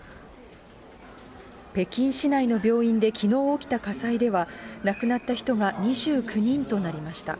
北京市内の病院できのう起きた火災では、亡くなった人が２９人となりました。